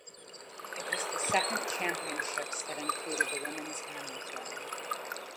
It was the second championships that included the women's hammer throw.